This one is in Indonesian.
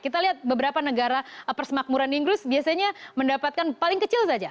kita lihat beberapa negara persemakmuran inggris biasanya mendapatkan paling kecil saja